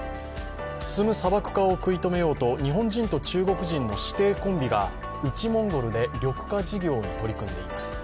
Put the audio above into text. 進む砂漠化を食い止めようと日本人と中国人の師弟コンビが内モンゴルで緑化事業に取り組んでいます。